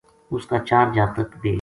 اس کا چار جاتک بے